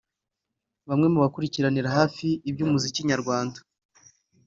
Bamwe mu bakurikiranira hafi iby’umuziki nyarwanda